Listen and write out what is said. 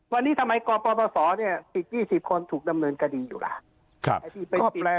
วันนี้ทำไมกปศอีก๒๐คนถูกดำเนินคดีอยู่ล่ะ